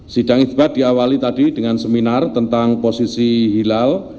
sidang isbat diawali tadi dengan seminar tentang posisi hilal